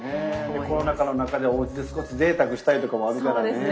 コロナ禍の中でおうちで少し贅沢したいとかもあるからね。